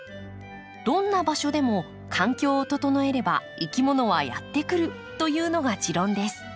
どんな場所でも環境を整えればいきものはやって来るというのが持論です。